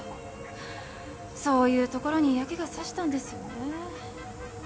そういうところに嫌気が差したんですよね